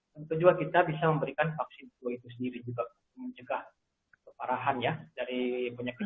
tentu juga kita bisa memberikan vaksin flu itu sendiri juga untuk mencegah keparahan ya dari penyakit ini